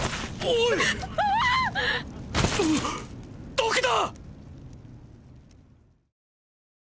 毒だ！